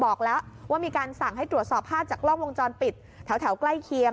บอกแล้วว่ามีการสั่งให้ตรวจสอบภาพจากกล้องวงจรปิดแถวใกล้เคียง